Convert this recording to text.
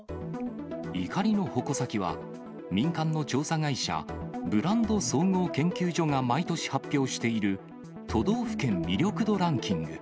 怒りの矛先は、民間の調査会社、ブランド総合研究所が毎年発表している、都道府県魅力度ランキング。